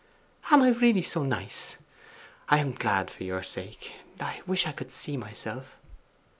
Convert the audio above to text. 'Am I really so nice? I am glad for your sake. I wish I could see myself.